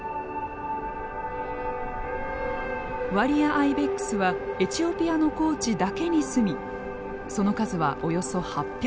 ワリアアイベックスはエチオピアの高地だけに住みその数はおよそ８００匹。